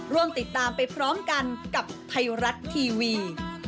ร่วมติดตามไปพร้อมกันกับไทยรัฐทีวี